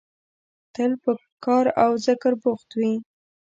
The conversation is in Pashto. تل په کار او ذکر بوخت وي.